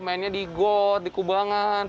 mainnya di got di kubangan